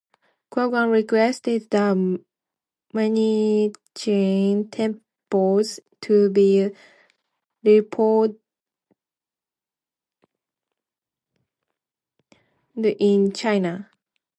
Qaghan requested the Manichean temples to be reopened in China.